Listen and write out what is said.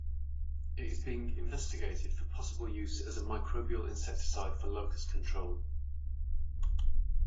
It is being investigated for possible use as a microbial insecticide for locust control.